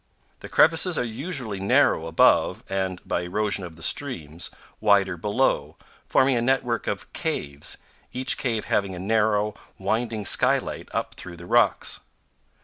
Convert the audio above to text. The crevices are usually narrow above and, by erosion of the streams, wider below, forming a network of "caves", each cave having a narrow, winding skylight up through the rocks.